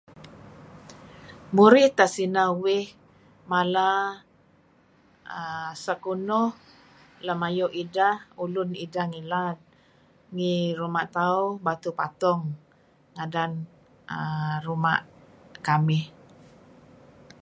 Murih tesineh uih mala err sekunuh lem ayu' ideh ulun ideh ngilad ngi ruma' tauh Batu Patung ngadan[err] ruma' kamih.